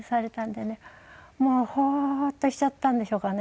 もうホッとしちゃったんでしょうかね。